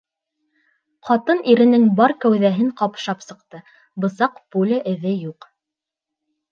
Ҡатын иренең бар кәүҙәһен ҡапшап сыҡты, бысаҡ, пуля эҙе юҡ.